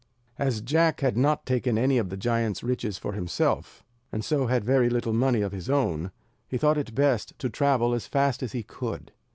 As Jack had not taken any of the giant's riches for himself, and so had very little money of his own, he thought it best to travel as fast as he could.